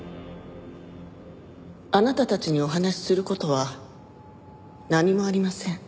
あなたたちにお話しする事は何もありません。